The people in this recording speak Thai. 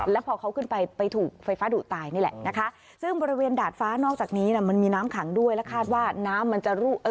แล้วพอเขาขึ้นไปไปถูกไฟฟ้าดุตายนี่แหละนะคะซึ่งบริเวณดาดฟ้านอกจากนี้น่ะมันมีน้ำขังด้วยและคาดว่าน้ำมันจะ